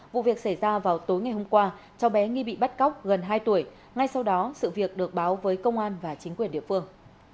vụ việc xảy ra vào tối ngày hôm qua cháu bé nghi bị bắt cóc gần hai tuổi ngay sau đó sự việc được báo với công an và chính quyền địa phương